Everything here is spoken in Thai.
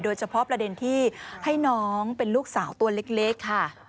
โดยเฉพาะประเด็นที่ให้น้องเป็นลูกสาวตัวเล็กค่ะ